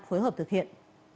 phối hợp thực hiện